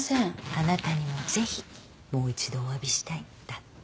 「あなたにもぜひもう一度おわびしたい」だって。